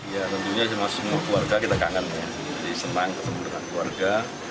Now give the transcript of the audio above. ya tentunya semua keluarga kita kangen jadi senang ketemu dengan keluarga